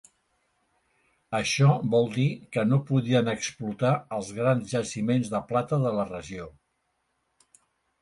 Això vol dir que no podien explotar els grans jaciments de plata de la regió.